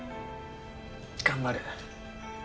頑張る。